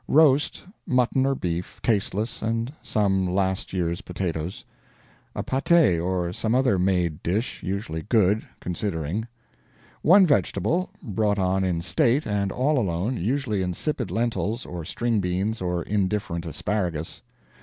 Roast mutton or beef tasteless and some last year's potatoes. A pate, or some other made dish usually good "considering." One vegetable brought on in state, and all alone usually insipid lentils, or string beans, or indifferent asparagus.